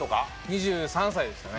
２３歳でしたね。